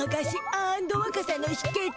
アンドわかさのひけつ！